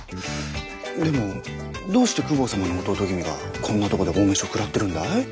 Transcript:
でもどうして公方様の弟君がこんなとこで大飯を食らってるんだい？